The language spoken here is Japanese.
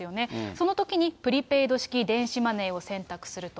そのときにプリペイド式電子マネーを選択すると。